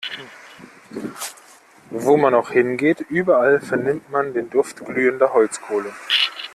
Wo man auch hingeht, überall vernimmt man den Duft glühender Holzkohle.